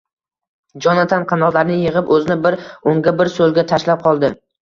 Jonatan qanotlarini yig‘ib, o‘zini bir o‘ngga, bir so‘lga tashlab oldi.